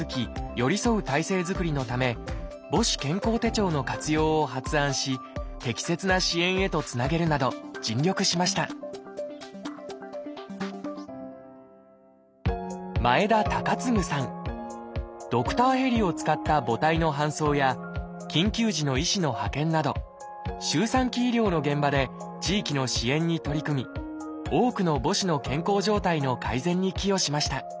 寄り添う体制づくりのため母子健康手帳の活用を発案し適切な支援へとつなげるなど尽力しましたドクターヘリを使った母体の搬送や緊急時の医師の派遣など周産期医療の現場で地域の支援に取り組み多くの母子の健康状態の改善に寄与しました。